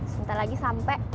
sebentar lagi sampai